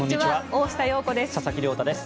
大下容子です。